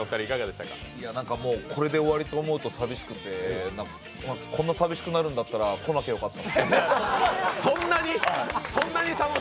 これで終わりと思うと寂しくてこんなさびしくなるんだったら、こなきゃよかった。